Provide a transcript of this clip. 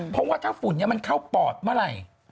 เพราะว่าถ้าฝุ่นนี้มันเข้าปอดเมื่อไหร่